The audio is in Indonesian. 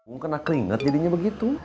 kamu kena keringet jadinya begitu